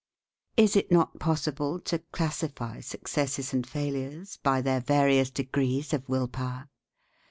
Is it not possible to classify successes and failures by their various degrees of will power?